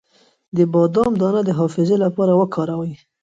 د بادام دانه د حافظې لپاره وکاروئ